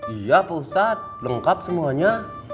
iya pak ustadz lengkap semuanya